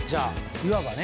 いわばね。